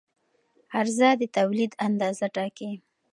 عرضه د تولید اندازه ټاکي.